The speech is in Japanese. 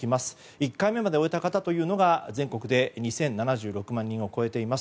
１回目まで終えた方が全国で２０７６万人を超えています。